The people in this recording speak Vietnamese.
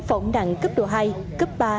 bỏng nặng cấp độ hai cấp ba